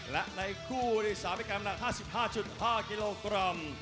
และในคู่ที่สามมีกำหนัก๕๕๕กิโลกรัม